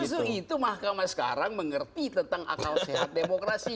justru itu mahkamah sekarang mengerti tentang akal sehat demokrasi